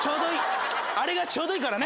あれがちょうどいいからね。